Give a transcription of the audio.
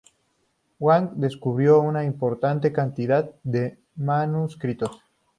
Wang descubrió una importante cantidad de manuscritos.